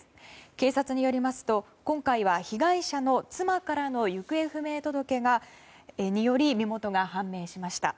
警察によりますと今回は被害者の妻からの行方不明届により身元が判明しました。